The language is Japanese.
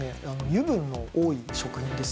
油分の多い食品ですね。